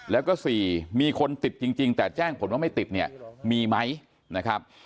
แล้วก็๔มีคนติดจริงแต่แจ้งผลว่าไม่ติดเนี่ยมีไหมนะครับ